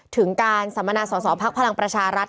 ถึงการสัมมนาสอสอภักดิ์พลังประชารัฐ